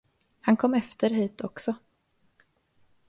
Han kom efter hit också!